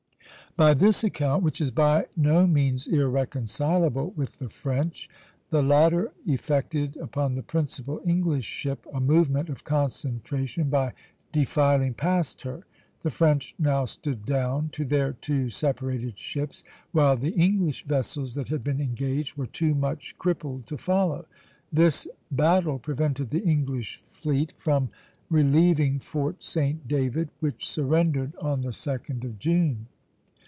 By this account, which is by no means irreconcilable with the French, the latter effected upon the principal English ship a movement of concentration by defiling past her. The French now stood down to their two separated ships, while the English vessels that had been engaged were too much crippled to follow. This battle prevented the English fleet from relieving Fort St. David, which surrendered on the 2d of June.